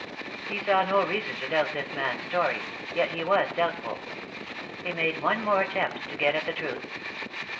He saw no reason to doubt this man's story; yet he was doubtful. He made one more attempt to get at the truth.